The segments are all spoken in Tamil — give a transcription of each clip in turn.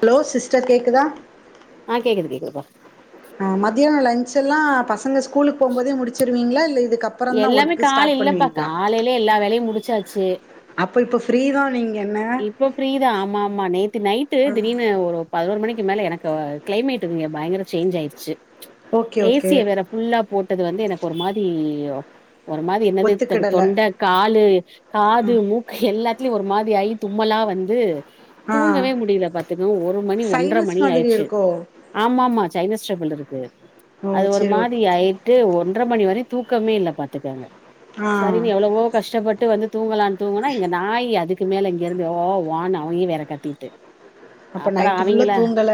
ஹலோ சிஸ்டர் கேக்குதா ஆ கேக்குது கேக்குதுப்பா அ மதியான லஞ்சு எல்லா பசங்க ஸ் கூலுக்கு போகுபோதே முடிச்சிருவீங்களா இல்ல இதுக்கு அப்றோ தா எல்லாமே ஒர்க் கால ஸ்டார்ட் பண்ணுவீங்களா சே அப்ப இப்போ ஃப்ரீ தா நீங் இப்போ ஃப்ரீ தா ஆமா ஆமா நேத்து நைட்டு திடீர்னு ஒரு பதினோரு மணிக் கு மேல எனக்கு கிளைமேட் இங்க பயங்கர சேஞ்சு ஆயிடுச்சு ஓகே ஓகே ஏசிய வேற ஃபுல்லா போட்டது வந்து எனக்கு ஒரு மாரி அ ஒரு மாரி என்னது ஒத்துக்கிடல தொண்டை காலு ஆ காது மூக்கு எல்லாத் [unintelligible] ஒரு மாதிரி ஆயிட் தும்மலா வந்து ஆ தூங்கவே முடியல பாத்தீங்கன்னா ஒரு மணி ஒன்றரை சைனஸ் மணி மாதிரி ஆயிடுச்சு இருக்கோ ஆமா ஆமா சைனாஸ் [unintelligible] இருக்கு ஓ அது ஒரு சரி மாதிரி ஓகே ஆயிட்டு ஒன்றரை மணி வரை தூக்கமே இல்ல பாத்துக்கங்க ஆ சரி நீ எவ்வளவோ கஷ்டப்பட் டு வந்து தூங்கலானு தூங்குனா இங்க நாய் அதுக் கு மேலங்க இருந்து ஓ வாவ்னு அவனே வேற கத்திக்கிட்டு அப்ப நைட்டு ஃபுல்ல தூங்கல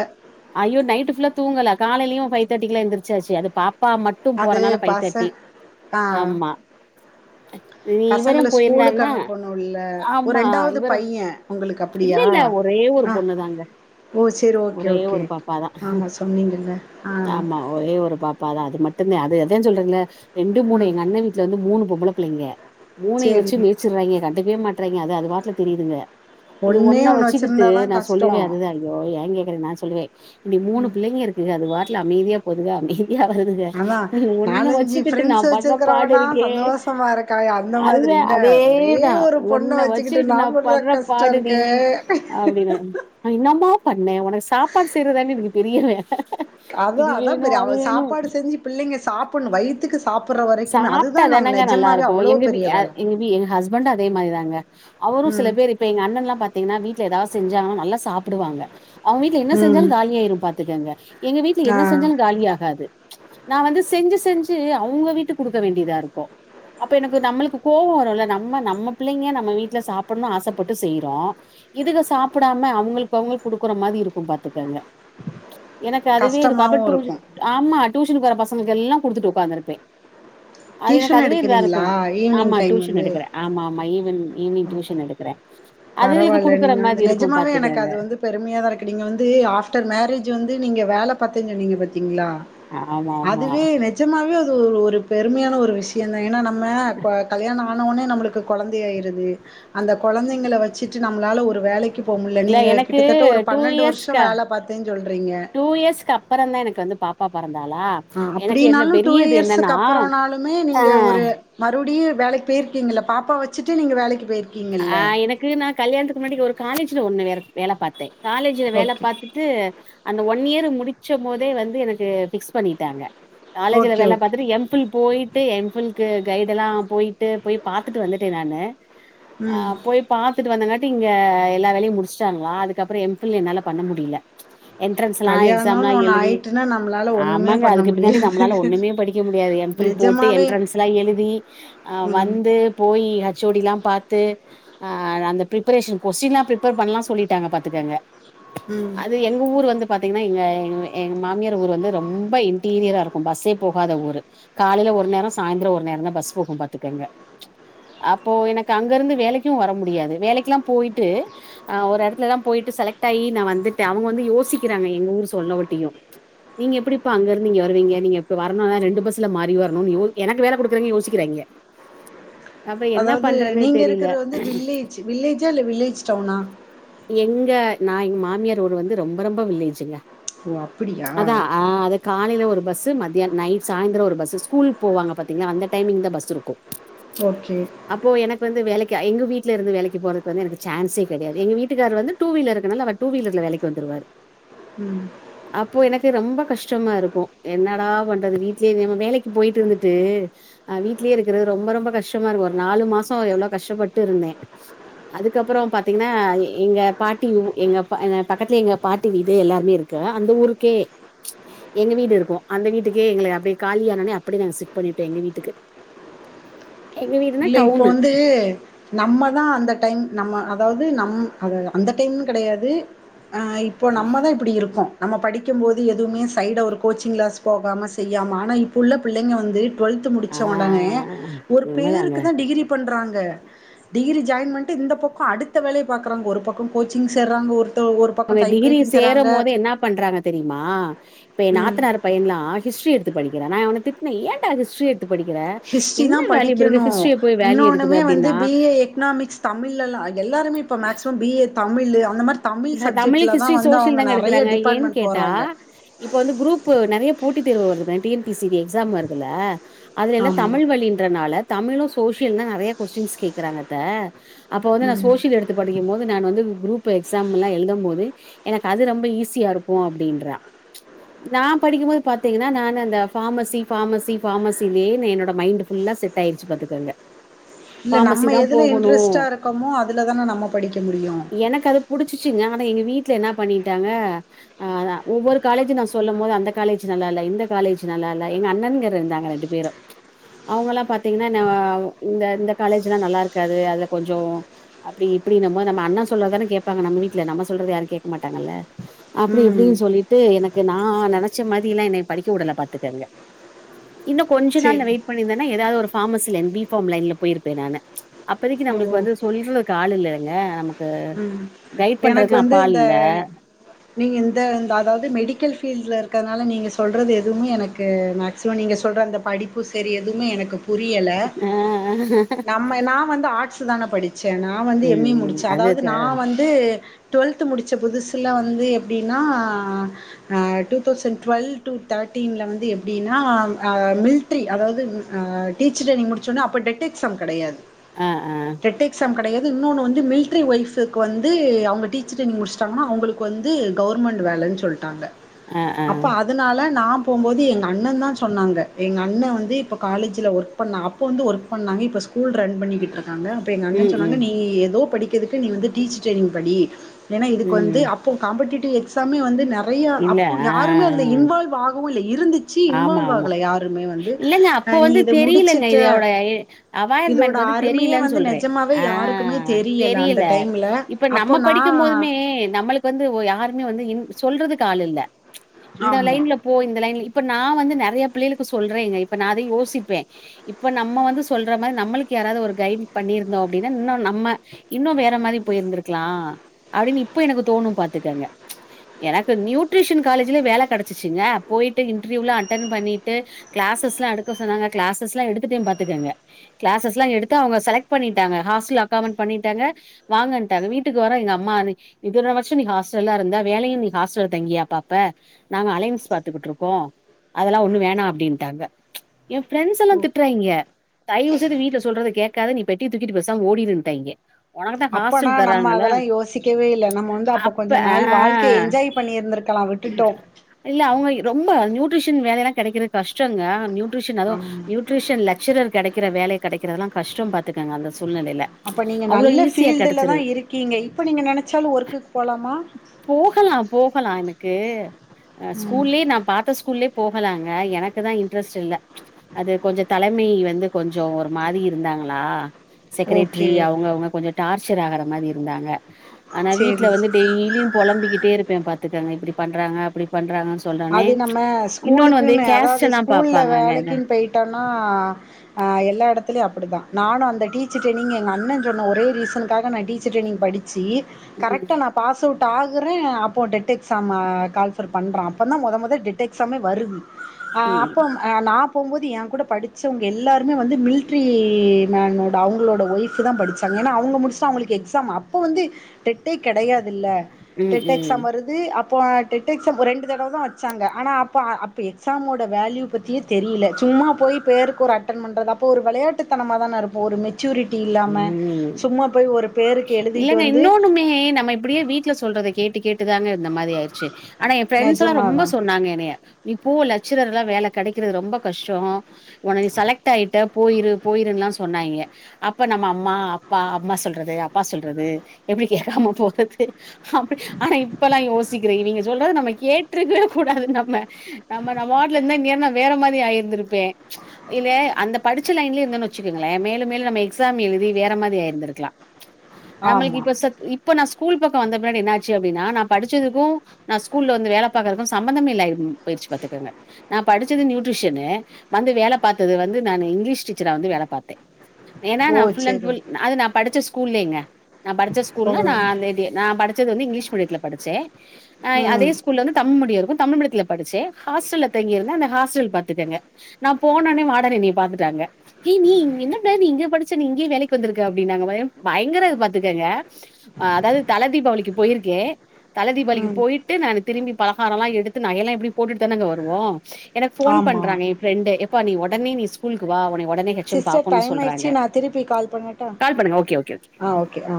நைட் ஃபுல்லா தூங்கல காலைலயும் பைவ் தர்ட்டி எல்லா எந்திரிச்சாச்சு அது பாப் பா மட்டும் அது போறனால பைல் தர்ட்டி பசங் ஆ ஆமா இவரு பசங்கள ஸ்கூலுக்கு போயிருந்தாருன்னா அனுப்பணும்ல ஒ ஆமா ரெண்டாவது இவரு பையன் உங்களுக்கு இல்ல அப்படியா இல்ல ஒரே ஒரு ஆ பொண்ணுதாங்க ஓ சரி ஓகே ஓகே ஆமா சொன்னிங்கில்லா ஆ பா அது மட்டும் தா அது அதன் சொல்றேன்ல ரெண்டு மூணு ம் எங்க அண்ண வீட்ல இருந்து மூணு பொம்புள புள்ளைங்க மூணையும் சேரி வச்சு மேய்சிடுறாங்க கட் அடங்கவே மாட்றாங்க அது அது பாட்ல திரியுதுங்க இது ஒன்னே ஒன்ன ஒண்ணு வச்சுக்கிட்டு வச்சிருந்தாதா நா கஷ்டோ சொல்லுவே அதுதானு ஏன் கேக்குற நா சொல்வே இங்க மூணு பிள்ளேங்க இருக்குக அது பாட்டு ட்ல அமைதியா போதுவ அமை தியா வருதுக அதா நீ ஒன்ன நாலஞ்சு வச்சுக்கிட்டு நா ஃப்ரெண்ட்ஸ் பட்ற பாடு வச்சிருக்கிறவனா இருக்கே சந்தோஷமா இருக்கா அந்த மாதிரி அதுதா என்ன ஒரே அதேதா ஒரு பொண்ண ஒன்ன வச்சுக்கிட்டு நா படுற பட்ற கஷ்டோ பாடு டி இருக்கு அப்டினே உ என்னம்மா என்னே உனக்கு சாப்பாடு செய்றத்தான்டி எனக்கு பெரிய வேல அதா இது அதா வேணு பெரிய அது அவ வேணு சாப்பாடு செஞ்சு பிள்ளைங்க சாப்புட்ணு வயித்துக்கு சாப்புட்ற வரைக்குமே அதுதா சாப்ட்டா நம்ம தானங்க நல்லா நெஜமாவே இருக்கு அவ்ளோ எங்க பெரிய வேல எங்க எங்க ஹஸ்பண்டு அதே மாரிதாங்க அவரு சில ம் பேர் இப்ப எங்க அண்ணன்ல்லா பாத்தீங்கன்னா வீட்ல ஏதாவது செஞ்சாங்கனா நல்லா சாப்பிடுவாங்க அவங்க வீட்ல என்ன ம் செஞ்சாலு காலியாயிரு பாத்துக்கங்க எங்க வீட்ல ஆ என்ன செஞ்சாலு காலி ஆாகாது நா வந்து செஞ்சு செஞ்சு அவுங்க வீட் டுக்கு குடுக்க வேண்டியதாருக்கோ அப்ப எனக்கு நம்மளுக்கு கோவோ வருல நம்ம நம்ம பிள்ளைங்க நம்ம வீட்ல சாப்பிட்ணுனு ஆசப்பட்டு செய்றோ இதுக சாப்டாம அவங்களுக்கு அவங்களுக்கு குடுக்குற மாதிரி இருக்கு பாத்துக்கங்க எனக்கு அதுவே இருக்கு அப்ப டூ ஆமா டியூனுக்கு வர பசங்கக்கெல்லா குடுத்துட்டு உக்காந்துருப்பே அது எனக்கு டியூஷன் அதுவே இதுவா இருக்கு எடுக்கிறீங்களா ஈவினிங் ஆமா டைம் டியூஷன் வந்து எடுக்கிறே ஆமா ஆமா ஈவ்னிங் ஈவினிங் டியூஷன் எடுகுறே பரவாயில்ல நீங்க வந்து நிஜமாவே எனக்கு பாத்துக்கங்க அது வந்து பெருமையா தா இருக்கு நீங்க வந்து ஆஃப்டர் மேரேஜ் வந்து நீங்க வேல பாத்திங்க நீங்க பாத்தீங்ளா ஆமா ஆமா அதுவே நிஜமாவே ஒரு பெருமையான ஒரு விஷயந்தா ஏன்னா நம்ம கோ கல்யாணோ ஆன ஒன்னே நம்மளுக்கு கொழந்தயாய்றுது அந்த கொழந்தைங்கள வ நம்ளால ஒ வேலைக்கு போ முல்ல இல்ல நீங்க எனக்கு கிட்டத்தட்ட ஒரு டூ பன்னெண்டு வர்ஷோ இயர்ஸ்க்கு வேல பாத்தேனு சொல்றீங்க டூ இயர்ஸ்க்கு அப்பறந்தா எனக்கு வந்து பாப்பா பொறந்தாளா அ எனக்கு என்ன அப்டினாலு டூ பெரியது என்னன்னா இயர்ஸுக்கப்புறனாலுமே ஆ நீங்க ஒரு மறுபடியு வேலைக்கு பேயிருக்கீங்கள்ள பாப்பா வச்சிட்டே நீங்க வேலைக்கு பேயிரு ஆ எனக்கு நா கல்யாணத்துக்கு முன்னாடி ஒரு காலேஜ்ல ஒண்ணு வேற வேல பாத்தே காலேஜ்ல வேல ஓகே பாத்துட்டு அந்த ஒன் இயர் முடிச்சபோதே வந்து எனக்கு ஃபிக்ஸ் பண்ணிட்டாங்க காலேஜ்ல ஓகே வேல ஓகே பாத்தட்டு எம் ஃபில் போயிட்டு எம் ஃபில் கு கைடு எல்லா போயிட்டு போய் பாத்துட்டு வந்துட்டேன் நானு ஆ ம் போய் பாத் துட்டு வந்தங்காட்டி இங்க எல்லா வேலையும் முடிச்சுட்டாங்களா அதுக்கப்றோ எம்ஃபில் என்னால பண்ண முடியல என்ட்ரன்ஸ்லா எக்ஸாம் எல்லா கல்யாணம்னு ஒண்ணு எழுதி ஆயிட்டுன்னா நம்மளால ஒண்ணுமே ஆமாங்க பண்ண அதுக்கு பின்னாடி நம்மளால முடியாது ஒண்ணுமே படிக்க முடியாது எம்ஃபில் போட்டு நிஜமாவே என்ட்ரன்ஸ் எல்லா எழுதி அ ம் வந்து போயி ஹச் ஓ டி லா பாத் து அ அந்த பிப்பரேஷன் கொஸ்டின்லா பிரிப்பர் பண்ணலா சொல்லிட்டாங்க பாத்துக்கங்க ம் அது எங்க ஊர் வந்து பாத் திங்கன எங்க எ மாமியார் ஊர் வந்து ரொம்ப இன்டீரியரா இருக்கும் பஸ்ஸே போகாத ஊர் காலைல ஒரு நேரோ சாய்ந்திரோ ஒரு நேரோ தா பஸ் போகும் பாத்துக்கங்க அப்போ எனக்கு அங்க இருந்து வேலைக்கும் வர முடியாது வேலைக்குல்லாம் போயிட்டு அ ஒரு இடத்துல எல்லா போயிட்டு செலக்ட் ஆகி நா வந்துட்டேன் அவங்க வந்து யோசிக்கிறாங்க எங்க ஊர் சொல்லவட்டியும் நீங்க எப்டி இப்ப அங்க இருந்து நீங்க வருவீங்க நீங்க இப்ப வரணும்னா ரெண்டு பஸ்ல மாறி வரணும்னு எனக்கு வேலை குடுக்குறாவங்க யோசிக்கிறங்க அப்ப என்னப் அது நீங்க இருக்கிறது வந்து வில்லேஜ் வில்லேஜா இல்ல வில்லேஜ் டவுனா எங்க நா எங் மாமியார் ஊர் வந்து ரொம்ப ரொம்ப வில்லேஜுங்க ஓ அப்பிடியா காலையில ஒரு பஸ்ஸு மத்திய நைட் சாய்ந்தரம் ஒரு பஸ்ஸு ஸ்கூலுக்கு போவாங்க பாத்தீங்கன்னா அந்த டைமிங் தா பஸ் இருக்கும் ஓகே அப்போ எனக்கு வந்து வேலைக்கு எங்க வீட்ல இருந்து வேலைக்கு போறதுக்கு வந்து எனக்கு சான்சே கிடையாது எங்க வீட்டுக்காரரு வந்து டூ வீலர் இருக்குறனால அவர் டூ வீலர்ல வேலைக்கு வந்துடுவாரு ம் அப்போ எனக் ரொம்ப கஷ்டமா இருக்கும் என்னடா பண்றது வீட்லயே நம்ம வேலைக்கு போயிட்டு இருந்துட்டு வீட்லயே இருக்கிறது ரொம்ப ரொம்ப கஷ்டமா இருக்கும் நாலு மாசோ எவ்ளோ கஷ்டப்பட்டு இருந்தேன் அதுக்கப்றோ பாத்தீங்கன்னா எங்க பாட்டி எங்க பக்கத்து எங்க பாட்டி வீடு எல்லாருமே இருக்கு அந்த ஊருக்கே எங்க வீடு இருக்கும் அந்த வீட்டுக்கே எங்கள அப்டியே காலி ஆனோனே அப்டியே ஷிப்ட் பண்ணிட்டோம் எங்க வீட்டுக்கு எங்க வீட்டு இல்ல இப்போ வந்து நம்ம தா அந்த டைம் நம்ம அதாது நம் அது அந்த டைம் கடையாது அ இப்போ நம்ம தா இப்டி இருக்கோம் நம்ம படிக்கும்போது எதுவுமே சைட்ல ஒரு கோச்சிங் கிளாஸ் போகாம செய்யாம ஆனா இப்போ உள்ள புள்ளைங்க வந்து டுவல்த் முடிச்ச ஆ ஒடனே ஒரு உண்மதாங்க பேருக்கு தா டிகிரி பண்ணுறாங்க டிகிரி ஜாயின் பண்ணிட்டு இந்த பக்கம் அடுத்த வேலைய பாக்குறாங்க ஒரு பக்கம் கோச்சிங் சேர்றாங்க ஒரு பக்கம் அவுங்க டைப் டிகிரி ரைட்டிங் சேர்றாங்க. சேரும் போதே என்ன பண்றாங்க தெரியுமா இப்ப ஏன் ம். நாத்தனறு பையன்லா ஹிஸ்டரி எடுத்து படி கிறன் நா அவன திட்னேன் ஏன்டா ஹிஸ்ட்ரி எடுத் ஹிஸ்டரி தா படிக்கணும் ஹிஸ்ட்ரிய போய் வேல்யூ எடுக்குது இன்னொன்னுமே வந்து அப்டின்னா பி ஏ எக்னாமிக்ஸ் தமிழ்ல்லாம் எல்லாருமே இப்ப maximum B A Tamil Tamil அந்த மாரி தமிழ் தமிழு சப்ஜெக்ட்ல தா ஹிஸ்ட்ரி வந்து சோசியல் அவங்க தாங்க நெறைய எடுக்கிறாங்க ஏன்னு டிபார்ட்மெண்ட் கேட்டா போறாங்க இப்ப வந்து குரூப் நெறைய போட்டி தேர்வு வருது T N P C exam வருதுல அதுல எல்லா ஆமா தமிழ் வழின்றனால தமிழும் சோசியல் தா நெறைய கொஸ்டின்ஸ் கேக்குறாங்கத்த அப்போ வந்து நா ம் சோசியல் எடுத்து படிக்கும் போது நானு வந்து குரூப் எக்ஸாம் எல்லா எழுதும் போது எனக்கு அது ரொம்ப ஈஸியா இருக்கு அப்புடின்றா நா படிக்கும் போது பாத்தீங்கன்னா நானு அந்த பாஃமசி பாஃமசி பாஃமசியிலயே என்னோட மைண்டு ஃபுல்லா செட் ஆயிடுச்சு பாத்துக்கங்க இல்ல ஃபார்மசி நம்ம தா எதுல போகணு இன்ட்ரெஸ்ட்டா இருக்கோமோ அதுலதான நம்ம படிக்க முடியு ச்சி நாந்தா எங்க வீட்ல என்ன பண்ணிட்டாங்க ஒவ்வொரு காலேஜு நான் சொல்லும் போது அந்த காலேஜ் நல்லா இல்ல இந்த காலேஜ் நல்லா இல்ல எங்க அண்ணன்ங்க இருந்தாங்க ரெண்டு பேரு அவங்க எல்லா பாத்தீங்கன்னா இந்த இந்த காலேஜ் எல்லா நல்லா இருக்காது அதுல கொஞ்சோ அப்புடி இப்புடினு நம்ம நம்ம அண்ணா சொல்றதான கேப் ப்பாங்க நம்ம வீட்ல நம்ம சொல்றத யாரு கேக்கமாட்டாங்கள அப்டி ம் இப்டின் சொல்லிட்டு எனக் இங்க நா நெனச்ச மாதிரி எல்லா என்னைய படிக்க உடல பாத்துக்கங்க இன்னு கொஞ்ச நாள் நா சேரி வெயிட் பண்ணிருந்தனா ஏதாவது ஒரு பாஃமசில என் பிஃபாம் லைன்ல போயிருப்ப நானு அப்பதைக்கு ஓ நம்மளுக்கு வந்து சொல்றதுக்கு ஆள் இல்லங்க நமக்கு ம் கு கைட் எனக்கு பண்றதுக்கெல்லா வந்து அப்பால் இந்த இல்ல நீங்க இந்த அதாவது மெடிக்கல் ஃபீல்டுல இருக்குறதுனால நீங்க சொல்றது எதுவும் எனக்கு மேக்சிமம் நீங்க சொல்ற அந்த படிப்பு செரி எதுமே எனக்குப் புரியல ஆ நம்ம நா வந்து ஆட்ஸ் தான படி ச்ச நா வந்து எம் ம் ஏ ம் முடிச் அதாவது அதுக்கு நா வந்து எ டுவெல்த் முடுத்த புதுசுல வந்து எப்டின்னா டூதவ்சன் டுவெல் டூ தோட்டீன்ல வந்து எப்டின்னா அ மில்ரி அதாவது டீச்சர் ட்ரெய்னிங் முடுச்சொனே அப்போ டெட் எக்ஸாம் கெடையாது ஆ ஆ டெட் எக்ஸாம் கெடையாது இன்னொன்னு வந்து மில் மில்ரி ஒய்ஃபுக்கு வந்து அவங்க டீச்சர் ட்ரெயினிங் முடிச்சிட்டாங்கன்னா அவங்களுக்கு வந்து கவர்மெண்ட் வேலன் சொல்டாங்க ஆ ஆ அப்ப அதனால நாம் போம்போது எங்க அண்ணந்தா சொன்னாங்க எங்க அண்ண வந்து இப்ப காலேஜ்ல ஒர்க் பண்ணா அப்ப வந்து ஒர்க் பண்ணாங்க இப்ப ஸ்கூல் ரன் பண்ணிகிட்டு இருக் காங்க அப்ப எங்க அண்ண ம் சொன்னாங்க ம் நீ ஏதோ இதுக்கெதுக்கு நீ வந்து டீச்சர் ட்ரெயினிங் படி ஏன்னா இதுக்கு வந்து ம் அப்போ காம்படிட்டிவ் எக்ஸ் தம்பி வந்து நற நறைய இல்ல அப்ப ஆ யாருமே அதுல இன்வால்வ் ஆகவு இல்லை இருந்துச்சு ஆமா இன்வால்வ் ஆமா ஆகல யாருமே வந்து இல்லங்க அப்போ நீ வந்து இத தெரியலங்க முடுச்சுட்டு இதோட இதோட அவாய்ர்மெண்ட் வந்து அருமைய தெரியலன்னு வந்து நெஜமாவே யாருக்குமே தெரியல் தெரியில இப்ப நம்ம படிக்கும் போதுமே நம்மளுக்கு வந்து ஒ யாருமே வந்து சொல்றதுக்கு ஆள் இல்ல இந்த ஆமா. லைன்ல போ இந்த லைன்ல இப் இப்ப நா வந்து நெறையா பிள்ளேளுக்கு சொல்றேன்ங்க இப்ப நா அதையு யோசிப்பே இப்ப நம்ம வந்து சொல்ற மாரி நம்மளுக்கு யாராவது ஒரு கைட் பண்ணிருந்தோ அப்டின்னா இன்னு நம்ம இன்னு வேற மாரி போயிருந்திருக்கலா அப்டின்னு இப்ப எனக்கு தோணு பாத்துக்கங்க ச் எனக்கு நியூட்ரிஷன் காலேஜ்ல வேல கெடைச்சுச்சுங்க போயிட்டு ப்ப இன்ட்ரீவுயூலா அட்டன் பன்னிட்டு கிளாஸஸ்லா எடுக்க சொன்னாங்க கிளாஸஸ்லா எடுத்துட்டே பாத்துக்கங்க கிளாஸஸ்லா எடுத்தே அவங்க ஸெலக்ட் பன்னிட்டாங்க ஹாஸ்டல் அக்காம்டேட் பன்னிட்டாங்க வாங்கன்ட்டாங்க வீட்டுக்கு வரே எங்க அம்மாஅதி இத்தன வர்ஷோ நீ ஹாஸ்டல்லதா இருந்த வேலயு நீ ஹாஸ்டல்ல தங்கியா பாப்ப நாங்க அலைன்ஸ் பாத்துகிட்ருக் க்கோ அதெல்லா ஒண்ணு வேணா அப்டின்ட்டாங்க ச் எ ஃப்ரெண்ட்ஸெல்லா திட்றாய்ங்க தயவு செய்து வீட்ல சொல்றதக்கே காத நீ பெட்டிய தூக்கிட்டு பெசாம ஓடிருன்ட்டாங்க அப்பனா நம்ம அதெல்லா யோசிக்கவே இல்ல நம்ம வந்து அப்ப கொஞ்ச நாள் வாழ்க்கய என்ஜாய் பண்ணிருந்திருக்கலா விட்டுட்டோ [unintelligible] நூட்ரிஷன் வேலைலா கெடைக்குறது கஷ்டங்க நாநியு ட்யூஷன் அதுவு ஆமா. நியூட்ரிஷன் லெக்சரர் கெடைக்கிற வேல கெடைக்குறதெல்லா கஷ்டோ பாத்துக்கங்க அந்த சூல்நெலைல அப்ப நீங்க அவ்ளோ நல்ல ஈஸியா ஃபீல்டுல கெடச்சிருது தான் இருக்கீங்க. இப்ப நீங்க நெனச்சாலும் ஒர்க்குக்கு போலாமா? போகலா போகலா எனக்கு ம். ஸ்கூல்லயே நா ஸ்கூல்லயே போகலாங்க எனக்கு தா இன்ட்ரஸ்ட் இல்ல அது கொஞ்ச தலமை வந்து கொஞ்ஜோ ஒரு மாரி இருந்தாங்களா செக்கரேட்ரி ஓகே. அவங்க அவங்க கொஞ்ச டார்ச்சர் ஆகிற மாரி இருந்தாங்க ஆனா வீட்ல சரி. வந்து டெய்லியு புலம்பிக்கிட்டே இருப்பே பாத்துக்கோங்க இப்டி பண்றாங்க அப்படி பண் ராங்கனு சொன்னோன்னே ஆனா ஸ்கூலுக்குனு அதாவது ஸ்கூல்ல பாப்பாங்கங்க வேலேக்குனு போய்ட்டனா ஆ எல்லா எடத்துலயு அப்டிதா நானுஅந்த டீச்சர் டெரெய்ணிங் எங்க அண்ண சொன்ன ஒரே ரீசனுக்காக நா டீச்சர் டிரெய்ணிங் படிச் சி ம் கரெக்ட்டா நா பாஸவுட் டாகுறே அப்போ டெட் எக்ஸாம கால்பெர் பண்றா அப்போதா மொத மொதோ டெட் எக்ஸாமே வருது அ அப்போ நா போம்போது எ கூட படிச்சவங்க எல்லாருமே வந்து மில்ட்ரி மேனோட அவுங்ளோட ஒய்ஃப் தா படிச்சாங்க ஏன்னா அவங்க முடிச்சுட்டு அவங்களுக்கு எக்ஸாம் அப்போ வந்து டெட்டே கெடையாதுல்ல ம் டெட் எக்ஸாம் ம் வருது அப் ப்போ டெட்டெக்ஸாம் ஒ ரெண்டு தடவதா வெச்சாங்க ஆன அப்ப அ அப்பே எக்ஸாமோட வேள்யு பத்தியே தெரியல சும்மா போய் பேருக்கொரு அட்டண் பண்றது அப்ப ஒரு வெளயாட்டுத்தனமா தாண இருப்போ மெச்சூரிட்டி இல்லாம ம் சும்மா போய் ஒரு பேருக்கு எழுதிட்டு இல்லங்க வந்து இன்னொன்னுமே நம்ம இப்டியே வீட்ல சொல்றத கேட்டு கேட்டு [unintelligible] இந்த மாரி ஆய்ச்சு ஆனா என் பிரெண்ட்ஸ்லாம் ரொம்ப நெஜமாவா சொன்னாங்க என்னய நீ போ புள்ள ச்சிரர்லாம் வேல கெடைக்குறது ரொம்ப கஷ்டோம் உனைய செலக்ட் ஆய்ட போயிரு போய்ருனுலாம் சொன்னாய்ங்க அப்ப நம்ம அம்மா அப்பா அம்மா சொல்றத அப்பா சொல்றது எப்டி கேக்காம போறது அப்டி ஆனா இப்பெலா யோசிக் இரு இவிங்க சொல்றத நம்ம கேட்ருக்கவே கூடாது நம்ம நம்ம நம்வாட்ல இருந்த இந்நேர நா வேற மாரி ஆயிருந்திருப்பே இல்ல அந்த படிச்ச லைன்ல இருந்தே வச்சுக்கோங்களே மேலு மேலு நம்ம எக்ஸாம் எழுதி வேற மாரி ஆயிர்ந்திர்கலா நம்மளுக்கு ஆமா இப்ப சத் இ இப்ப நா ஸ்கூல் பக்கம் வந்த பின்னாடி என்ன ஆச்சு அப்டினா நா படிச்சதுக்கு நா ஸ்கூல்ல வந்து வேல பாகுறதுக்கு சம்பந்தமே இல்லலா போய்சு பார்த்துகோங்க நா படிச்சது நியூட்ரிஷனு வந்து வேல பார்தது வந்து நானு இங்கிலீஷ் டீச்சரா வந்து வேல பாத்தே ஏன்னா ஓ நா செரி ஃபுல்அண்ட்ஃபுல் அது நா படிச்ச ஸ் கூலிங்க நான் படிச்ச ஸ்கூல் ஓ நா அந்த [unintelligible] நா படிச் டிச்சது வந்து இங்கிஷ் மீடியத்ல படிச்சே ஆ அதே ம் ஸ்கூல்ல வந்து தமிழ் மீடியோ இருக் தமிழ் மீடியத்ல படிச்சே ஹாஸ்டல்ல தங்கி இருந்தே அந்த ஹாஸ்டல் பாத்துக்கங்க நா போனோன வாடன் என்ன பாத்துட்டாங்க ஏய் நீ என்ன புள்ள நீ இங்க படிச்ச இங்கே வேலைக்கு வந்துருக்க அப்டி நாங்க பயோ பயங்கர பாத்துக்கங்க அதாவது தல தீபாவளிக்கு போயிருக்கே தலை தீபாவளிக்கு ம் போயிட்டு நானு திரும்பி பலகாரம் லா எடுத்து நகைல்லா எப்டி போட்டுத்தனங்க வருவோ எனக்கு ஃபோன் ஆமா பண்றாங்க ஏன் ஃப்ரெண்டு எப்பா நீ ஒ உடனே நீ ஸ்கூலுக்கு வா உனய சிஸ்டர் டைம் ஆயிச்சு நா திருப்பி கால் பண்ணட்டா கால் பண்ணுங்க ஓகே ஓகே ஓகே ஆ ஓகே ஆ